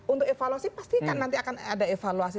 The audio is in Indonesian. untuk evaluasi pasti kan nanti akan ada evaluasi